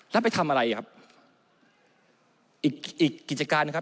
แล้วไปทำอะไรอ่ะครับอีกอีกกิจการนะครับ